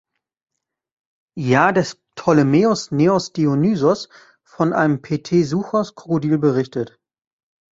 Jahr des Ptolemaios Neos Dionysos von einem Petesuchos-Krokodil berichtet.